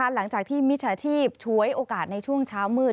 หลังจากที่มิจฉาชีพฉวยโอกาสในช่วงเช้ามืด